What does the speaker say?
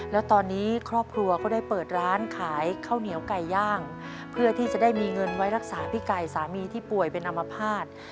แล้วตอนนี้ครอบครัวก็ได้เปิดร้านขายข้าวเหนียวไก่ย่างเพื่อที่จะได้มีเงินไว้รักษาพี่ไก่สามีที่ป่วยเป็นอมภาษณ์